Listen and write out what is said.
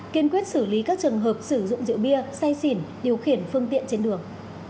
kiên quyết xử lý các trường hợp sử dụng rượu bia say xỉn điều khiển phương tiện trên đường